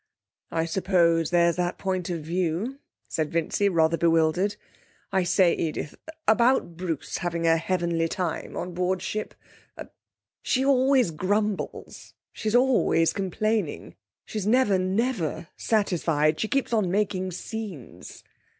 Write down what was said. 'I suppose there's that point of view,' said Vincy, rather bewildered. 'I say, Edith!' 'About Bruce having a heavenly time on board ship a she always grumbles; she's always complaining. She's never, never satisfied... She keeps on making scenes.'